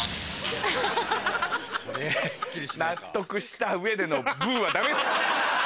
ハハハ！納得した上での「ブ」はダメっす！